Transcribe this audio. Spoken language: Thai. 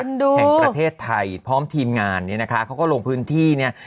แห่งประเทศไทยพร้อมทีมงานเนี่ยนะคะเขาก็ลงพื้นที่เนี่ย